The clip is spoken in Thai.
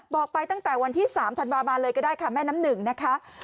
บอกไปตั้งแต่วันที่๓ธันวาบาเลยก็ได้ค่ะแม่น้ำหนึ่งนะคะ